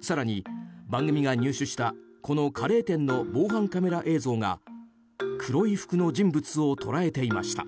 更に、番組が入手したこのカレー店の防犯カメラ映像が黒い服の人物を捉えていました。